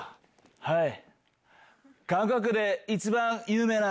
はい。